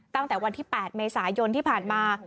ตั้งแต่วันที่๘เมษายนที่ผ่านมา